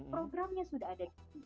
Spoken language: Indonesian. programnya sudah ada